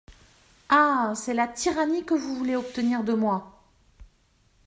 Ah ! c'est la tyrannie que vous voulez obtenir de moi.